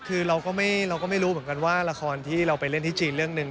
คือเราก็ไม่รู้เหมือนกันว่าละครที่เราไปเล่นที่จีนเรื่องหนึ่ง